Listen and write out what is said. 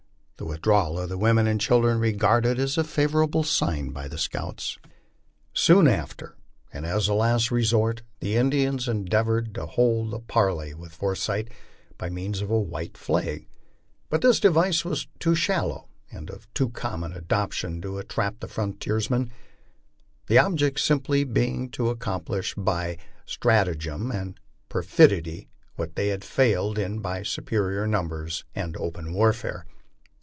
The withdrawal of the women and children was regarded as a favorable sign by the scouts. Soon after and as a last resort the Indians endeavored to hold a parley wilh Forsyth, by means of a white flag ; but this device was too shallow and of too common adoption to entrap the frontiersman, the object simply being to ac complish by stratagem and perfidy what they had failed in by superior numbers and open warfare.